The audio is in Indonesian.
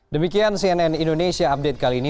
demikian cnn indonesia update kali ini